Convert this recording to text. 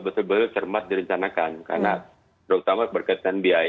itu yang harus betul betul cermat direncanakan karena terutama berkaitan biaya